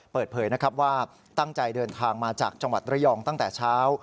เปิดเผยนะครับว่าตั้งใจเดินทางมาจากจังหวัดระยองตั้งแต่เช้า